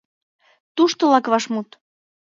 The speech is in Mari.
Туштылак вашмут